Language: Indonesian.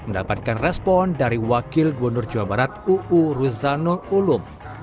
mendapatkan respon dari wakil gubernur jawa barat uu ruzanul ulum